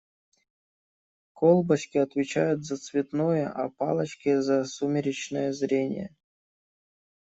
Колбочки отвечают за цветное, а палочки - за сумеречное зрение.